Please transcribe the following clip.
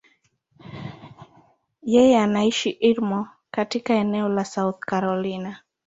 Yeye anaishi Irmo, katika eneo la South Carolina.